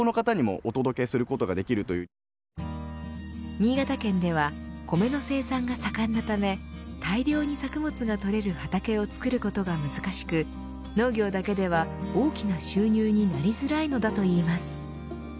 新潟県では米の生産が盛んなため大量に作物が取れる畑を作ることが難しく農業だけでは大きな収入になりづらいのだといいます。